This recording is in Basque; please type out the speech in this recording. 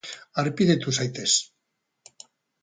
Harpidetu zaitez.